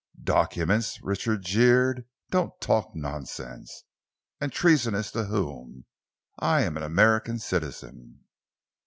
"Documents?" Richard jeered. "Don't talk nonsense! And treasonous to whom? I am an American citizen."